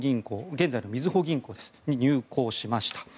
現在のみずほ銀行に入行しました。